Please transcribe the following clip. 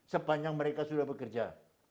sepanjang mereka sudah bekerja